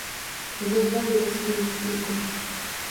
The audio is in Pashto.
زه غیر رسمي لیک لیکم.